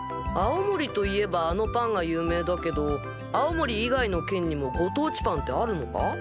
青森といえばあのパンが有名だけど青森以外の県にもご当地パンってあるのか？